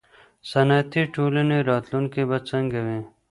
صنعتي ټولنې راتلونکی به څنګه وي.